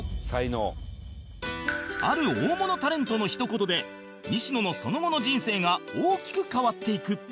ある大物タレントの一言で西野のその後の人生が大きく変わっていく